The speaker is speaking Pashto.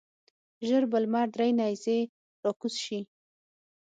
ژر به لمر درې نیزې راکوز شي.